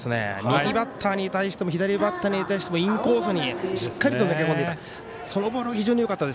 右バッターに対しても左バッターに対してもインコースにしっかりと投げ込んでいた。